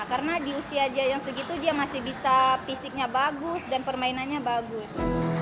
karena di usia dia yang segitu dia masih bisa fisiknya bagus dan permainannya bagus